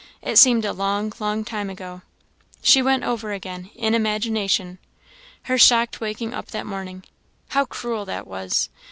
it seemed a long, long time ago. She went over again, in imagination, her shocked waking up that very morning how cruel that was!